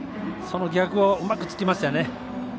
その逆をうまく突きましたね。